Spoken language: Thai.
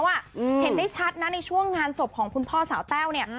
เห็นได้ชัดนะในช่วงงานศพของคุณพ่อสาวแต้วเนี่ย